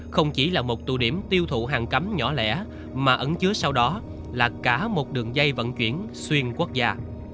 không chỉ là một tụ điểm tiêu thụ hàng cấm nhỏ lẻ mà ẩn chứa sau đó là cả một đường dây vận chuyển xuyên quốc gia